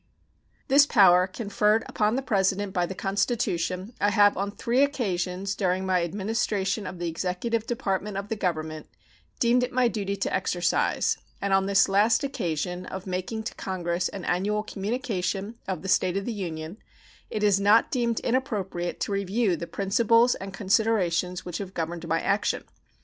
This power, conferred upon the President by the Constitution, I have on three occasions during my administration of the executive department of the Government deemed it my duty to exercise, and on this last occasion of making to Congress an annual communication "of the state of the Union" it is not deemed inappropriate to review the principles and considerations which have governed my action.